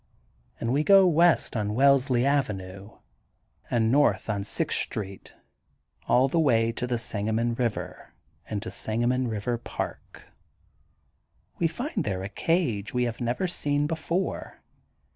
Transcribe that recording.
And we go west on Wellesley Avenue and 218 THE GOLDEN BOOK OF SPRINGFIELD north on Sixth Street, all the way to the Sangamon Eiver and to Sangamon Eiver Park. We find there a cage we have never seen before.